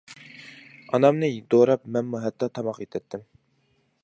ئانامنى دوراپ مەنمۇ ھەتتا تاماق ئېتەتتىم.